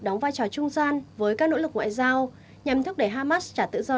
đóng vai trò trung gian với các nỗ lực ngoại giao nhằm thức để hamas trả tự do